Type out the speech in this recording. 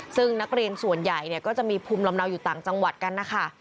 ซึ่งนักเรียนส่วนใหญ่ก็จะมีภูมิลำเนาอยู่ต่างจังหวัดกันนะคะ